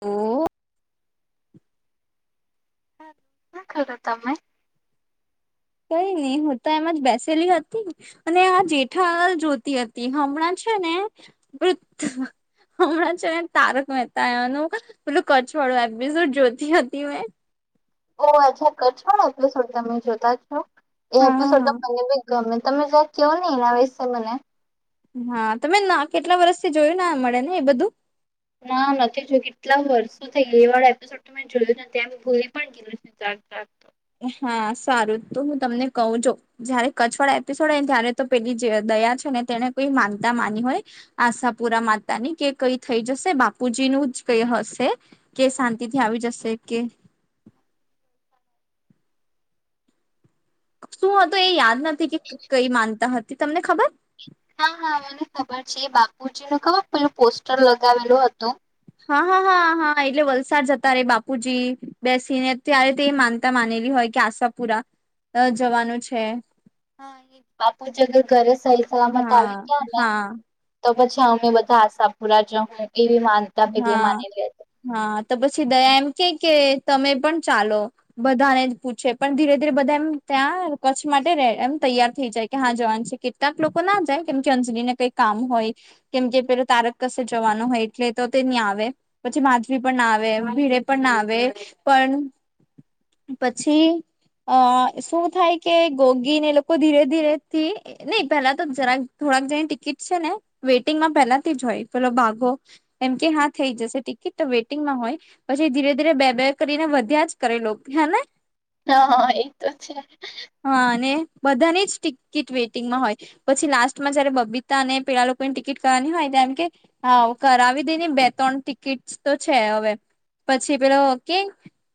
ઓ. હ શું કો છો તમે? કઈ નહી હું તો એમ જ બેસેલી હતી, અને આ જેઠાલાલ જોતી હતી હમણાં જ છે ને વૃધ હમણાં છે તારક મહેતા એનું પેલું કચ્છવાળું એપિસોડ જોતી હતી મેં ઓ અચ્છા કચ્છવાળો એપિસોડ તમે જોતા છો. એ એપિસોડ તો હા મને બી ગમે. [unintelligible] તમે જં કહો નહી એના વિશે મને. હા તમે ના કેટલા વર્ષથી જોયું મળેને એ બધું. ના નથી જોયું. કેટલા વર્ષો થઈ ગયા એ વાળો એપિસોડ તો મેં જોયું તં ભૂલી પણ ગયું. [inaudible] હા સારું તો હું તમને કહું જો. જયારે કચ્છવાળા એપિસોડ હોય ને ત્યારે તો પેલી જે દયા છે ને તેને કોઈ માનતા માની હોય આશાપુરા માતાની, કે કઈ થઈ જશે બાપુજીન એવું જ કઇ હશે કે શાંતિથી આવી જશે કે [unintelligible] શું હતો એ યાદ નથી કે કઈ માનતા હતી તમને ખબર? હા હા મને ખબર છે એ બાપુજી નું ખબર પેલું પોસ્ટર લગાવેલું હતું. હા હા હા હા એટલે વલસાડ જતા રે બાપુજી બેસીને ત્યારે તે માનતા માનેલી હોય. કે આશાપુરા જવાનું છે. હા બાપુ જગર ઘરે સહી સલામત હા આવી ગયા ને હા ત પછી અમે બધા આશાપુરા જહુ. હા હા તો પછી દયા એમ કે કે તમે પણ ચાલો બધાને જ પૂછે પણ ધીરે ધીરે બધા એમ ત્યાં કચ્છમાં માટે એમ તૈયાર થઈ જાય કે હા જવાનું છે કેટલાક લોકો ના જાય કેમ કે અંજલી ને કઈ કામ હોય. કેમ કે પેલો તારક કસે જવાનું હોય. એટલે તો તે નહીં આવે પછી માધવી પણ ના આવે ભીડે પણ ના આવે પણ પછી અ શું થાય કે ગોગીને એ લોકો ધીરે ધીરેથી ની પેલા તો જરાક થોડાક જેણી ટિકિટ છે ને વેઇટિંગમાં પેલાથી જ હોય પેલો ભાગો એમ કે હા થઈ જશે ટિકિટ તો વેઇટિંગમાં હોય પછી ધીરે ધીરે બે બે કરીને વધ્યા જ કરે લોક. [inaudible] હા હા એ તો છે. હા અને બધાની જ ટિકિટ વેઇટિંગમાં હોય પછી લાસ્ટમાં જયારે બબીતા અને પેલા લોકોની ટિકિટ કરવાની હોય ત કેમ કે હા કરાવી દે બે ત્રણ ટિકિટ તો છે હવે. પછી પેલો કે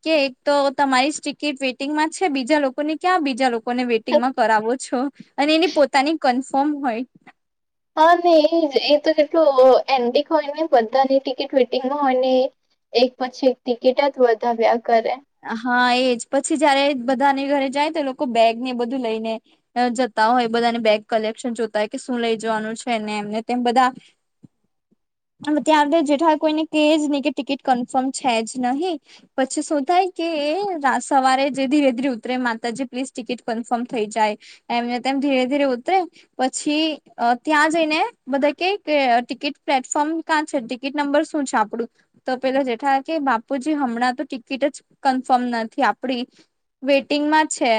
કે એક તો તમારી જ ટિકિટ વેટિંગમાં છે બીજા લોકો ને ક્યાં બીજા લોકો ને વેટિંગમાં કરાવો છો અને એની પોતાની કન્ફર્મ હોય. હા નહી એ એ તો કેટલું એન્ટિક હોય ને બધાની ટીિકિટ ટ્વિટિંગમાં હોય ને એ એક પછી એક ટિકિટ જ વધાવ્યા કરે. હા એજ પછી જયારે બધાને ઘરે જાય તો લોકો બેગ ને બધું લઈને જત હોય બધાની બેગ કલેક્શન જોતા હોય કે શું લઈ જવાનું છે ને એમને તેમ બધા [inaudible] હ ત્યાં જેઠા કોઈને કેજ નહી કે ટિકિટ કન્ફર્મ છે જ નહીિ પછી સુ થાય કે સવારે જે ધીરે ધીરે ઉતરે માતાજી પ્લીઝ ટિકિટ કન્ફર્મ થઈ જાય એમ. તેમ ધીરે ધીરે ઉતરે પછી ત્યાં જઈને બધા કે કે ટિકિટ પ્લેટ ફોર્મ ક્યાં છે ટિકિટ નંબર શું છે આપડું તો પેલા જેઠા કે બાપુજી હમણાં તો િકિટ જ કન્ફર્મ નથી આપડી વેટિંગમાં છે.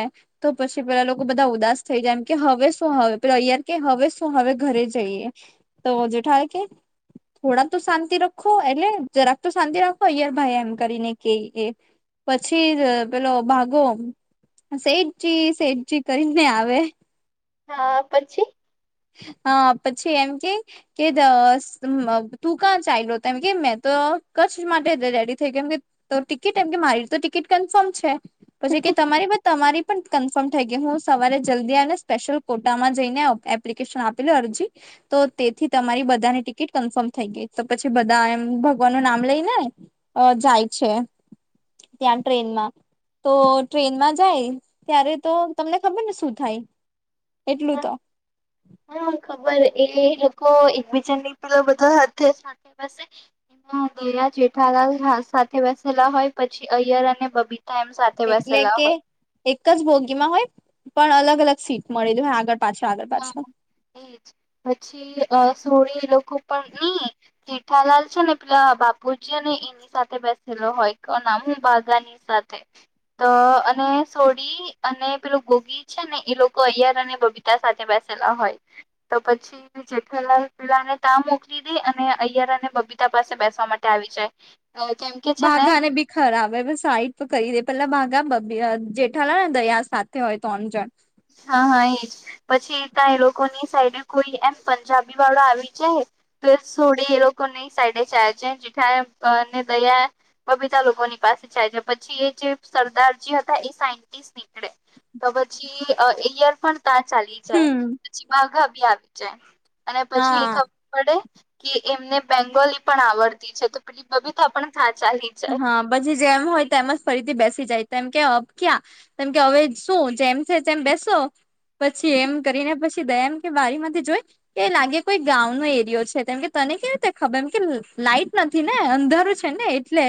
તો પછી પેલા લોકો બધા ઉદાસ થઈ જાય એમ કે હવે શું હવે પેલા યાર કે હવે શું હવે ઘરે જઈએ. તો જેઠાય કે. થોડાક તો શાંતિ રાખો એટલે જરાક તો શાંતિ રાખો અયાર ભાઈ એમ કરીને કે. એ પછી જ પેલો ભાગો. સેઠજી સેઠજી કરીને આવે. હા પછી. હા પછી એમ કે કે ત તું ક્યાં ચાલો એમ કે મે તો કચ્છ માટે રેડી થઈ ગમ કે તો ટિકિટ એમ કે મારી તો ટિકિટ કન્ફર્મ છે. પછી કે તમારી બ તમારી પણ કન્ફર્મ થઈ ગયું હું સવારે જલ્દી આવીને સ્પેશ્યલ કોટામાં જઈને અ એપ એલિકેશન આપે અરજી તો તેથી તમારી બધાની ટિકિટ કન્ફર્મ થઈ ગઈ. તો પછી બધા એમ ભગવાન નું નામ લઈને જાય છે. ત્યાં ટ્રેન મા તો ટ્રેનમાં જાય ત્યારે તો તમને ખબર ને શું થાય? એટલું હા તો. [inaudible] હા ખબર એ લોકો એકબીજા પેલા બધા હાથે [unintelligible] દયા જેઠાલા સાથે બેસેલા હોય પછી અયર અને બબી એટલે કે એક જ ભોગી માં હોય પણ અલગ અલગ સીટ મળીલી હો આગળ પાછળ આગળ પાછળ હા એજ પછી અ સોળી એ લોકો પણ ઈ જેઠાલાલ છે ને, પેલા બાપુજી ને એની સાથે બેસેલો હોય. કે, એનુ નામ શું? બાઘાની સાથે. સાથે. તો, અને સોડી. અને પેલું ગોગી છે ને, એ લોકો અયાર અને બબીતા સાથે બેસેલા હોય, તો પછી જેઠાલાલ પેલાને તા મોકલી દે. અને અને બબીતા પાસે બેસવા માટે આવી જાય. કેમ કે છે બાઘા ને બી ખરાબ સાઈડ કરી દે, પેલા બાઘા જેઠાલાલ ને દયા સાથે હોય, ત્રણ જણ. હા હા એજ પછી ત્યાં એ લોકોની સાઈડે કોઈ એમ પંજાબી વાળો આવી જાય, તો થોડી એ લોકો સાઈડે જ છે, જે અને દયા, બબીતા લોકોની પાસે જાય છે. પછી એ જે સરદારજી હતા, એ સા નીકળે તો પછી એર પણ ત્યા ચાલી જાય હમ પછી બાઘા બી આવી જાય, અને પછી એ હા ખબર પડે કે એમને બેંગોલી પણ આવડતી છે, તો પ્રિલીપ બી તો આપણે થા હા, પછી જેમ હોય, તો એમજ ફરીથી બેસી જાય. તેમ કે અ, ક્યા કેમ કે હવે શું, જેમ છે તેમ બેસો. પછી એમ કરીને, પછી જેમ કે, બારી માંથી જોઈ કે લાગે કોઈ ગામ નો એરિયો છે. કેમ કે, તને કેવી રીતે ખબર? એમ કે લાઈટ નથી ને, અંધારું છે ને, એટલે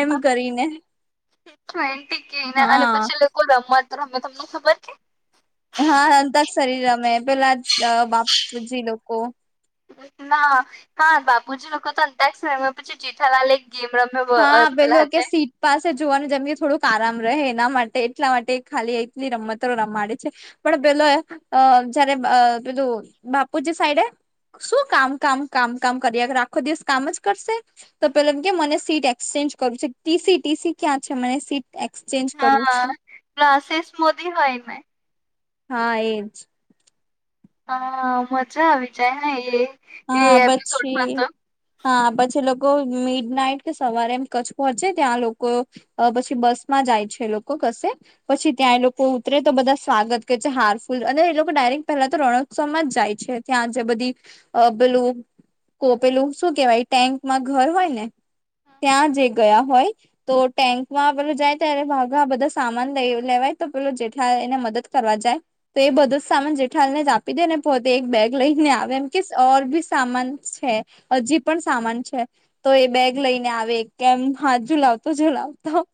એમ કરીને. એન્ટ કે, અને હા પછી લોકો રમત રમે તો તમને ખબર છે. હા, અંતક શરીર રમે, પેલા જ બાપુજી લોકો. ના, હા, બાપુજી લોકો તો અંદાજ સમયમાં પછી જેઠાલાલ એક ગેમ રમે હા પેલા પેલું કે તે સીટ પાસે જ જોવાને જમી, થોડુંક આરામ રહે એના માટે. એટલા માટે, ખાલી એટલી રમતો રમાડે છે. પણ પેલો જયારે પેલું બાપુજી સાઈડે શું કામ, કામ, કામ, કામ કરીયા કરે? શું આખો દિવસ કામ જ કરશે? તો પેલો કે, મને સીટ એક્સચેન્જ કરવું છે. ટીસી, ટીસી ક્યાં છે? મને સીટ એક્સચેન્જ કરવું છે હાશિષ મોદી હોય ને. હા, એજ. હા, મજા આવી જાય ને, એ એ હા, એપિસોડમાં પછી. તો હા, પછી લોકો મિડ નાઈટ કે સવારે, એમ કચ્છ પહોંચે. ત્યાં લોકો પછી બસ માં જાય છે, લોકો પછી ત્યાં એ લોકો ઉતરે, તો બધા સ્વાગત છે, હારફૂલ અને એ લોકો ડાયરેક્ટ પહેલા તો રણ ઉત્સવ જ જાય છે, ત્યાં જે બધી અ પેલું કો પેલું શું કહેવાય? ટેન્કમાં ઘર હોય ને ત્યાં જે ગયા હોય, તો ટેન્કમાં પેલું જાય. ત્યારે બાધા આ બધા સામાન લે લેવાય. તો પેલો જેઠાલાલ એને મદદ કરવા જાય, તો એ બધું જ સામાન જેઠાલાલ ને જ આપી દે ને, પોતે એક બેગ લઈને આવે એમ. કે ઓર, બી સામાન છે. હજી પણ સામાન છે, તો એ બેગ લઈને આવે, કેમ? હા, ઝુલાવતો, ઝુલાવતો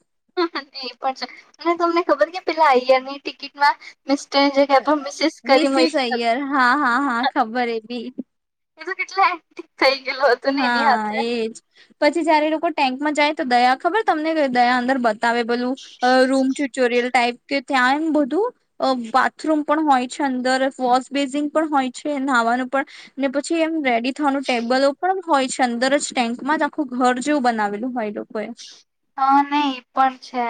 એ પણ છે. અને તમને ખબર? કે પેલા અયર ની ટિકિટમાં ત્યાં જગ્યા મિસેસ કરી મિસિસ હોય. અય્યર હા હા હા ખબર એ બી એ તો કેટલા એ થઈ ગયલો હતો ને, એની હા સાથે એજ પછી જયારે લોકો ટેન્કમાં જાય, તો દયા ખબર? તમને દયા અંદર બહાર કરે. તમે બધું રૂમ ટ્યુટોરિયલ ટાઈપ કે ત્યાં બધું બાથરૂમ પણ હોય છે. અંદર વોશબેસિન પણ હોય છે, નહાવાનું પણ ને પછી એમ રેડી થવાનું. ટેબલો પણ હોય છે. અંદર જ ટેન્કમાં જ આખું ઘર જેવું બનાવેલું હોય, લોકોએ હા, નઈ એ પણ છે.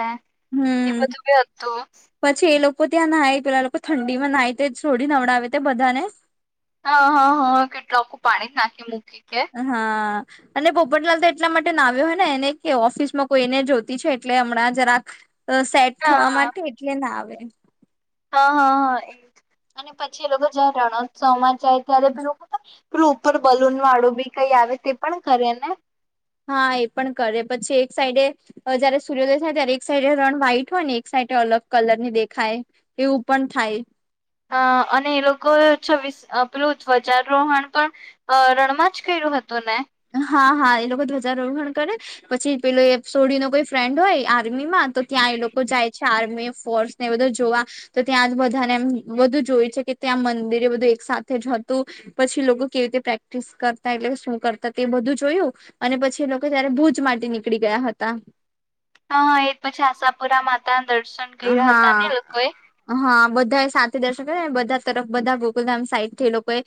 એ હમ બધું બે હતું પછી એ લોકો ત્યાં ના પેલા લોકો, ઠંડીમાં, ના તે છોડી નવડાવે તે બધા ને હા, હા, હા! કેટલા લોકો પાણી જ નાખી મૂકે. હા. અને પોપટલાલ તો એટલા માટેના આવ્યો હોય, ને એને કે ઓફિસમાં કોઈને જોતી છે, એટલે હમણાં જરાક સેટ થવા હા માટે એટલેના આવે હા, હા, હા એ અને પછી એ લોકો જયારે રણોત્સવમાં જાય, ત્યારે પેું પેલું ઉપર બલુન વાળું બી કઈ આવે તે પણ કરે ને હા, એ પણ કરે પછી, એક સાઈડે જયારે સૂર્યોદય થાય ત્યારે એક સાઈડે રણ વ્હાઈટ હોય, ને એક સાઈડ અલગ કલરની દેખાય, એવું પણ થાય અ અને એ લોકોએ પેલું ધ્વજારોહણ, પણ રણમાં જ કર્યું હેતુ ને હા, હા એ લોકો ધ્વજારોહણ કરે પછી, પેલો એ સોડીીનો કોઈ ફ્રેન્ડ હોય આર્મી મા તો ત્યાં એ લોકો જાય છે, આર્મી ફોર્સ ને એ બધું જોવા તો ત્યાં જ બધાને એમ બધું જોય છે. કે ત્યાં મંદિરે બધું એક સાથે જ હતુ, પછી લોકો કેવી રીતે પ્રેક્ટિસ કરતા એટલે શું કરતા તે બધું જોયું અને પછી, એ લોકો ત્યારે ભુજ માટે નીકળી ગયા હતા. હ, એ પછી આ પુરા માતા દર્શન કર્યા હતા ને હા, લોકોએ હા બધું બધા સાથે, દર્શક બધા તરફ બધા ગોકુલધામ સાઈડ થી લોકોએ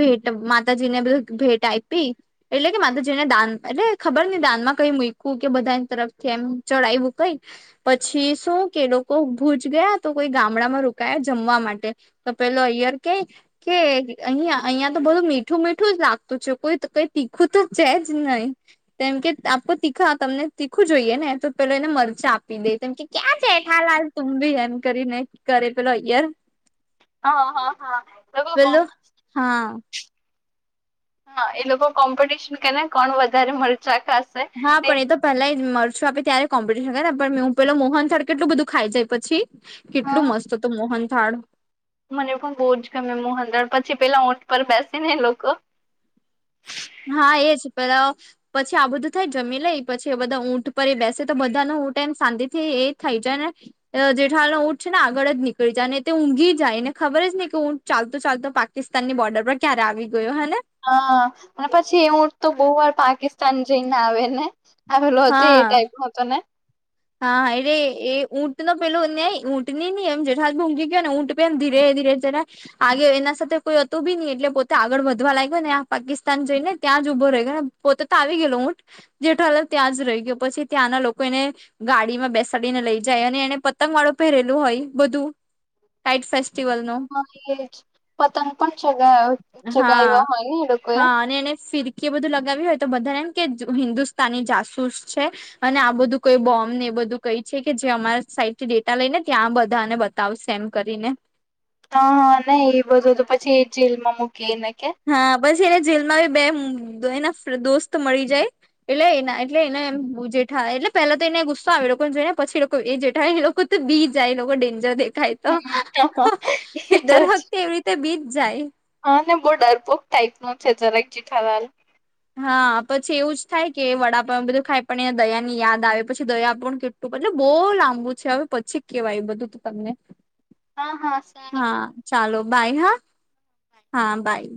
ભેટ માતાજીને બધ ભેટ આપઈપી, એટલે કે માધુ જેને દાન એલે ખબર નઈ દાનમાં કઈ મૂકવું કે બધાની તરફથી એમ ચડાવું કઈ પછી શું કે લોકો ભુજ ગયા, તો કોઈ ગામડામાં રોકાયા જમવા માટે તો પેલો અયાર કઈ કે કે અહીિયાં, અહિયાં તો બધું મીઠું, મીઠું જ લાગતું છે, કોઈ કઈ તીખું તો જ, જ નહીિ કેમ કે આપો તીખા તમને તીખું જોઈએ, ને તો પેલો એને મરચા આ પી દે કે ક્યાં છેઠા લાલ તુંમ, ભી એમ કરીને કરે પેલો અયાર હા, હા, હા તો કોમ હા હા, એ લોકો કોમ્પિટિશન, કેને કોણ વધારે મરચા ખાશે હા, તે પણ એ, તો પેલા મરશું આપે ત્યારે કોમ્પ પણ મે હું, પેલો મોહન થળ કેટલું બધું ખાઈ જાય, પછી કેટલું મસ્ત હતું મોહન થાળ મને પણ બહુ જ ગમે મોહદણ પછી, પેલા ઊંટ પર બેસે ને લોકો હા, એજ પેલા પછી, આ બધું થાય. જમી લઈ પછી એ બધા ઊંટ પર એ બેસે તો બધા નો ટાઈમ શાંતિ થી, એ થઈ જાય, ને જેઠા ઉટ છેને. આગળ જ નીકળી જાય અને તે ઊંઘી જાય. એને ખબર જ નહી કે હું, ચાલતો, ચાલતો પાકિસ્તાનની બોર્ડર પર ક્યારે આવી ગયો હે ને હા, અને પછી એવું, તો બહુ વાર પાકિસ્તાન જઈને આવે ને હ ભેલો હત, એ હા ટાઈપ ન હતો ને હા, એ ર એ ઉટ નો પેલુ નય ઊટની નહિ, એમ જઠાથ ભ ઊઘી ગયો, ને ઊટ પે એમ ધીરે જ આગે એના સાથે કોઈ હતુ બી નહી. એટલે પોતે આગળ વધવા લાગ્યો ને પાકિસ્તાન જઈને ત્યાં ત્યાં જ ઉભો રહી ગયો, ને પોતે તો આવી ગયેલો હુંઠ જેઠાાલ ત્યાં જ રહી ગયો પછી, ત્યાંના લોકો એને ગાડીમાં બેસાડીને લઈ જાય, અને એને પતંગ વાળું પહેરેલું હોય, બધું ટઇટ ફે એજ પતંગ પણ, ચગાયો જગ એવા હોયને, એ લોકો એ લગાવી હોય, તો બધામ કે હિન્દુસ્તાની જાસૂસ છે અને આ બધું કોઈ બોમ્ એ બધું કઈ છે, કે જે અમારા સાઈટથી ડેટા લઈને ત્યાં બધાને બતાવ સેમ કરીને હા, હા નહી. એ બધું તો પછી એ જેલમાં મુકી હા, બસ એને જેલમાં બે એ દોસ્ત મળી જાય, એટલે એ એટલે એને એમ જેઠા એટલે પેલા તો એને ગુસ્સો આવે લોકો ને જોઈને પછી, લોકો એ જેઠય એ લોકો, તો બી જાય એ લોકો ડેન્જરે તાય તો એ તો દર જ વખતે એવી રીતે બીજ જાય. હા, ને બહુ ડરપોક ટાઈપ નો છે, જરાક જઠવાલ હા, પછી એવું જ થાય, કે વડાપ બધું ખાય પણ દયા ની યાદ આવે પછી દયા પણ કેટલું મલે બહુ લાંબુ છે, હવે પછી કેવાય બધું તું તમને હા, હા સેને બાઈ હા, હા બાઈ.